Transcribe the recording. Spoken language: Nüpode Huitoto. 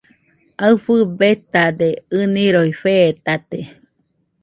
Aɨfɨ betade, ɨniroi fetate.